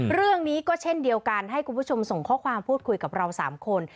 เรื่องนี้ก็เช่นเดียวกันให้คุณผู้ชมส่งข้อความพูดคุยกับเรา๓คน